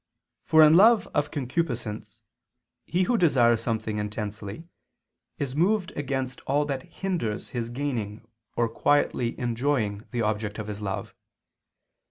For in love of concupiscence he who desires something intensely, is moved against all that hinders his gaining or quietly enjoying the object of his love.